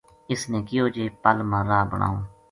اس نے کہیو جے پل ما راہ بناؤں